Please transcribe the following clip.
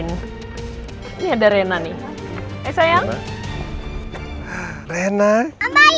ini ada rena nih sayang